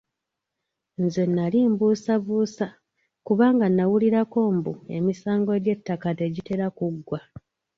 Nze nali mbuusabuusa, kubanga nnawulirako mbu emisango gy'ettaka tegitera kuggwa.